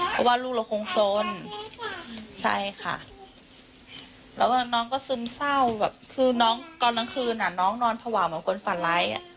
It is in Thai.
เพราะว่าลูกเราคงสนใช่ค่ะแล้วน้องก็ซึมเศร้าแบบคือน้องตอนกลางคืนอ่ะน้องนอนภาวะเหมือนคนฝันร้ายอ่ะ